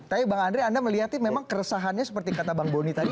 tapi bang andre anda melihatnya memang keresahannya seperti kata bang boni tadi